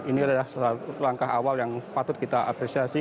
ini adalah langkah awal yang patut kita apresiasi